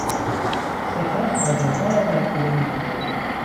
سپس آجرها را در کوره می پزند.